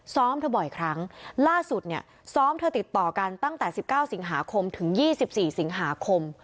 เธอบ่อยครั้งล่าสุดเนี่ยซ้อมเธอติดต่อกันตั้งแต่๑๙สิงหาคมถึง๒๔สิงหาคม